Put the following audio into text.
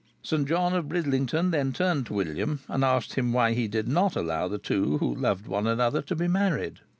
St. John of Bridlington then turned to William, and asked him why he did not allow the two who loved one another to be married.